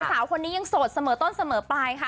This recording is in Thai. สาวคนนี้ยังโสดเสมอต้นเสมอไปค่ะ